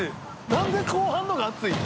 何で後半の方が熱いの？